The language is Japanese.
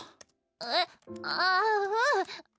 えっあっうん。